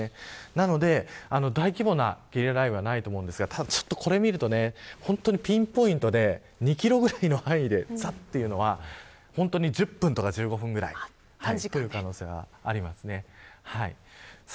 なので大規模なゲリラ雷雨はないと思いますがただ、これを見るとピンポイントで２キロぐらいの範囲でざっと降るというのは１０分とか１５分ぐらいという可能性があります。